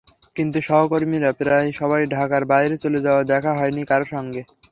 কিন্তু সহকর্মীরা প্রায় সবাই ঢাকার বাইরে চলে যাওয়ায় দেখা হয়নি কারও সঙ্গে।